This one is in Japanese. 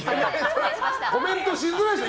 コメントしづらいでしょ。